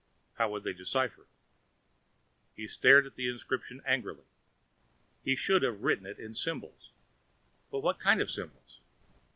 How would they decipher it? He stared at the inscription angrily. He should have written it in symbols. But what kind of symbols?